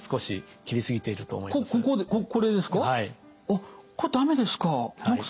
あっこれ駄目ですか。